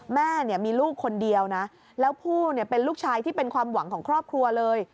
แม่มีลูกคนเดียวนะแล้วผู้เป็นลูกชายที่เป็นความหวังของครอบครัวเลย